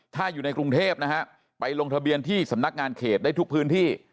ถ้าอยู่ในกรุงเทพนะฮะไปลงทะเบียนที่สำนักงานเขตได้ทุกพื้นที่